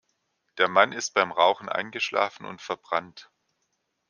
Der Mann ist beim Rauchen eingeschlafen und verbrannt.